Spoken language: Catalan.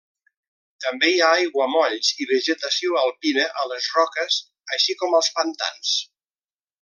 També hi ha aiguamolls i vegetació alpina a les roques, així com als pantans.